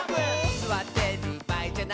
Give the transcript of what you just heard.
「すわってるばあいじゃない」